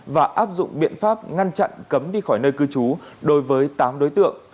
và áp dụng biện pháp ngăn chặn cấm đi khỏi nơi cư trú đối với tám đối tượng